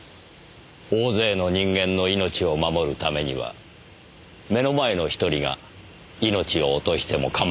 大勢の人間の命を守るためには目の前の１人が命を落としてもかまわない。